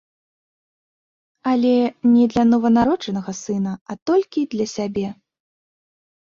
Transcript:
Але не для нованароджанага сына, а толькі для сябе.